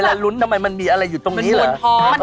เวลาลุ้นทำไมมันมีอะไรอยู่ตรงนี้เหรอ